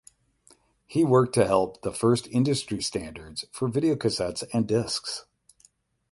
He worked to help the first industry standards for videocassettes and discs.